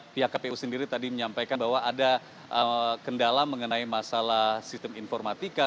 pihak kpu sendiri tadi menyampaikan bahwa ada kendala mengenai masalah sistem informatika